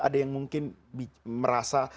ada yang mungkin merasa